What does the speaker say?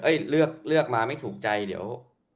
เลือกเลือกมาไม่ถูกใจเดี๋ยว